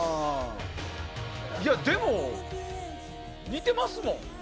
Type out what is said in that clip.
でも、似てますもん。